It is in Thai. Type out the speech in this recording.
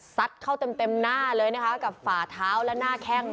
เข้าเต็มหน้าเลยนะคะกับฝ่าเท้าและหน้าแข้ง